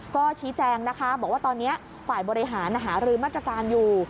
ก็ชี้แจงนะคะบอกว่าตอนนี้ฝ่ายบริหารหารือมาตรการอยู่